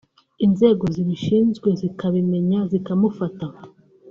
inzego zibishinzwe zikabimenya zikamufata